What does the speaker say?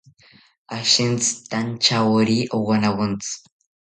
Ashintzitantyawori owanawontzi